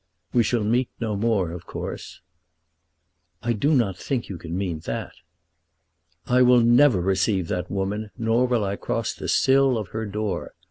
We shall meet no more, of course." "I do not think that you can mean that." "I will never receive that woman, nor will I cross the sill of her door.